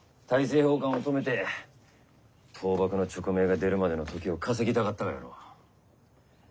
大政奉還を止めて討幕の勅命が出るまでの時を稼ぎたかったがやろ。